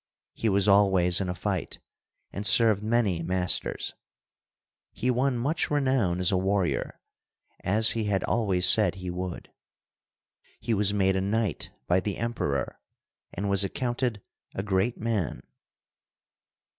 He was always in a fight, and served many masters. He won much renown as a warrior, as he had always said he would. He was made a knight by the Emperor, and was accounted a great man.